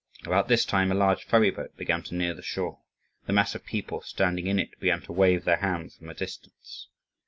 About this time a large ferry boat began to near the shore. The mass of people standing in it began to wave their hands from a distance.